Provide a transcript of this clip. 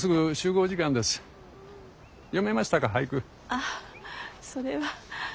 あっそれは。